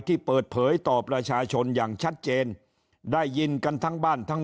ที่เปิดเผยต่อประชาชนอย่างชัดเจนได้ยินกันทั้งบ้านทั้ง